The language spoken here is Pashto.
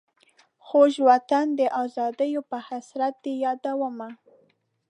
خوږ وطن د آزادیو په حسرت دي یادومه.